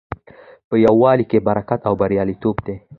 په یووالي کې برکت او بریالیتوب دی.